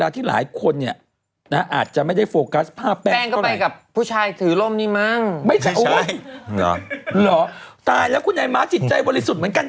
ตายแล้วคุณไอ้ม้าจิตใจบริสุทธิ์เหมือนกัน